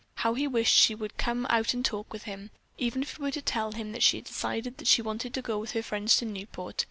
How he wished she would come out and talk with him, even if it were to tell him that she had decided that she wanted to go with her friends to Newport.